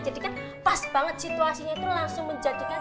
jadi kan pas banget situasinya itu langsung menjadikan